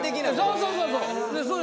そうそうそうそう。